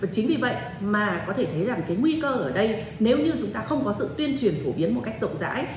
chính vì vậy nguy cơ ở đây nếu như chúng ta không có sự tuyên truyền phổ biến một cách rộng rãi